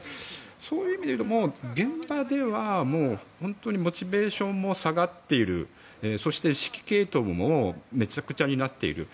そういう意味でいうと現場では、モチベーションも下がっているそして、指揮系統もめちゃくちゃになっている。